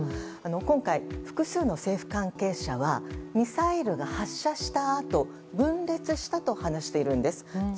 今回、複数の政府関係者はミサイルが発射したあと分裂したと話しているんです。